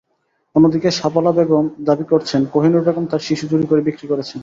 অন্যদিকে শাপালা বেগম দাবি করছেন, কহিনুর বেগম তাঁর শিশু চুরি করে বিক্রি করেছেন।